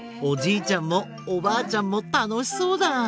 おじいちゃんもおばあちゃんもたのしそうだ。